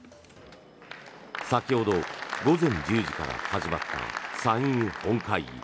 先ほど午前１０時から始まった参院本会議。